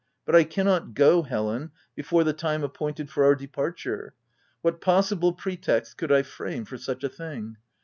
— u But I cannot go, Helen, before the time appointed for our departure. What possible pretext could I frame for such a thing